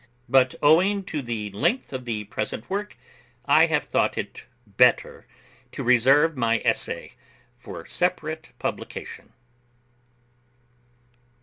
But owing to the length of the present work, I have thought it better to reserve my essay for separate publication.